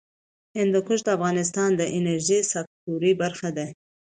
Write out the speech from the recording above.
هندوکش د افغانستان د انرژۍ سکتور برخه ده.